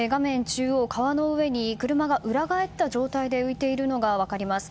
中央、川の上に車が裏返った状態で浮いているのが分かります。